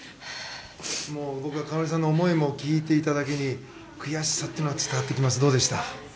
僕は花織さんの思いを聞いていただけに悔しさというのは伝わってきます、どうでした？